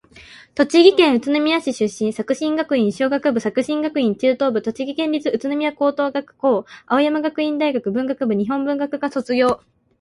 栃木県宇都宮市出身。作新学院小学部、作新学院中等部、栃木県立宇都宮高等学校、青山学院大学文学部日本文学科卒業。